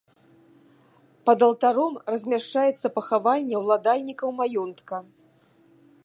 Пад алтаром размяшчаецца пахавальня ўладальнікаў маёнтка.